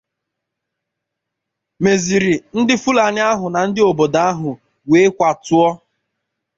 mezịrị ndị Fulani ahụ na ndị obodo ahụ jiri wee kwàtụọ